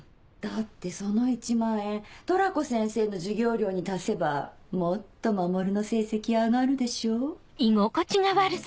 だってその１万円トラコ先生の授業料に足せばもっと守の成績上がるでしょ。